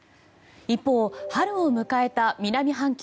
一方、春を迎えた南半球